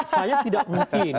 saya tidak mungkin